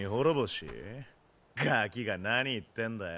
ガキが何言ってんだよ。